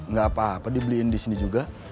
nggak apa apa dibeliin di sini juga